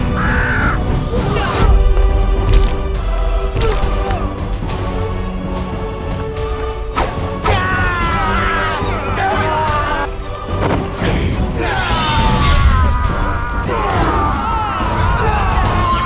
kau tak bisa menangkapku